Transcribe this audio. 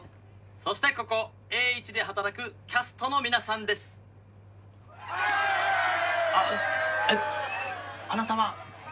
そしてここエーイチで働くキャストの皆さんですあっあなたは？